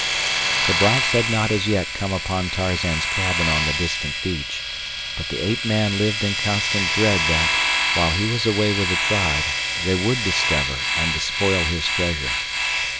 The blacks had not as yet come upon Tarzan's cabin on the distant beach, but the ape man lived in constant dread that, while he was away with the tribe, they would discover and despoil his treasure.